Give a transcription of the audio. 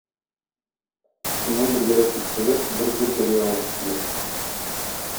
Шуннан бергәләп китсәләр, бер зур дәрьяга җиттеләр.